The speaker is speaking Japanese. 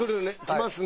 きますね。